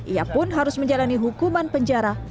ia pun harus menjalankan penyelamatan dan penyelamatan narkotika